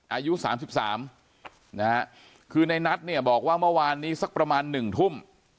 อายุ๓๓นะฮะคือในนัทเนี่ยบอกว่าเมื่อวานนี้สักประมาณ๑ทุ่ม